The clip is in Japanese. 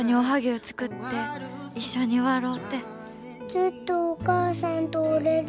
ずっとお母さんとおれる？